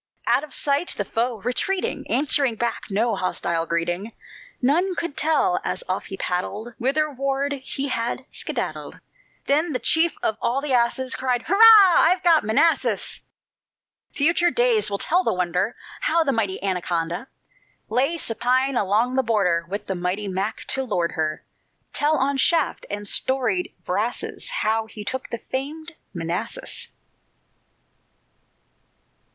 Out of sight, the foe, retreating, Answered back no hostile greeting; None could tell, as off he paddled, Whitherward he had skedaddled. Then the chief of all the asses Cried: "Hurrah! I've got Manassas." Future days will tell the wonder, How the mighty Anaconda Lay supine along the border, With the mighty Mac to lord her: Tell on shaft and storied brasses How he took the famed Manassas.